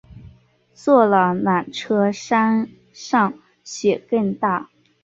坐了缆车山上雪更大